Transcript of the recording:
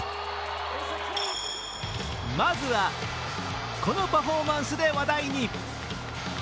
まずは、このパフォーマンスで話題に。